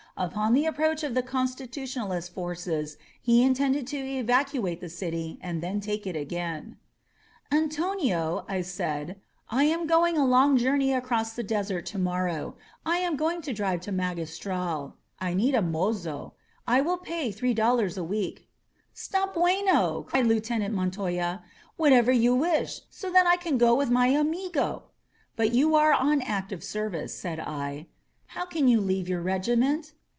Upon the approach of the Con stitutionalist forces he intended to evacuate the city and then take it again." 163 INSURGENT MEXICO Antonio/' I said, I am going a long journey across the desert to morrow. I am going to drive to Magis tral. I need a mozo. I will pay three dollars a week." " *Sta buenoT' cried Lieutenant Montoya. What ever you wish, so that I can go with my amigoT* "But you are on active service," said I. "How can you leave your regiment?"